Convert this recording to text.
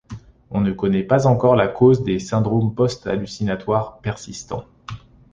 On ne connaît pas encore la cause des syndromes post-hallucinatoire persistant.